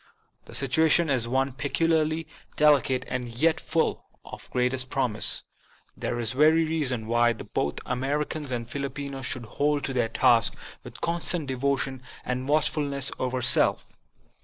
The situation is one peculiarly deli cate and yet full of the greatest promise. There is every reason why both Americans and Filipinos should hold to their tasks with constant devotion and watchfulness over self.